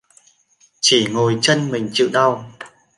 Chỉ ngồi trân mình chịu đau